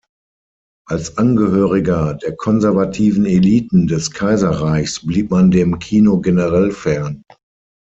Als Angehöriger der konservativen Eliten des Kaiserreichs blieb man dem Kino generell fern.